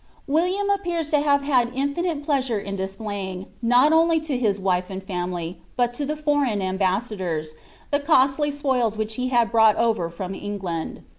WilliAra appears lo have had infinite piea«ure in displaying, not only to bin wife and family, but lo the foreign aml«4sador«, the cosily epoib ohirh he li»d brought over from England.'